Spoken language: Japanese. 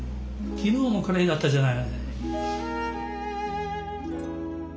昨日もカレーだったじゃない。